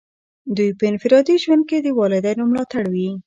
دوی په انفرادي ژوند کې د والدینو ملاتړ وي.